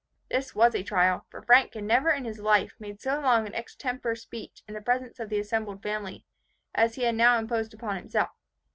This was a trial, for Frank had never in his life made so long an extempore speech in the presence of the assembled family, as he had now imposed upon himself.